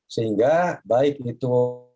sehingga baik itu